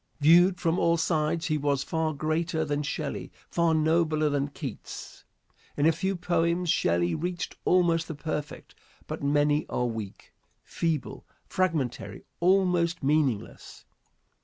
Viewed from all sides he was far greater than Shelley, far nobler than Keats. In a few poems Shelley reached almost the perfect, but many are weak, feeble, fragmentary, almost meaningless.